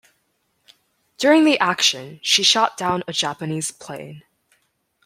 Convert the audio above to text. During the action, she shot down a Japanese plane.